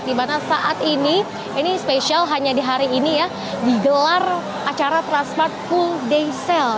di mana saat ini ini spesial hanya di hari ini ya digelar acara transmart full day sale